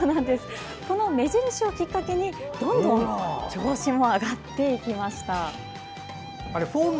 この目印をきっかけにどんどん調子も上がっていきました。